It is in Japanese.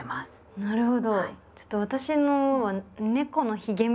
なるほど。